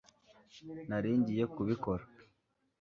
nari ngiye kubikora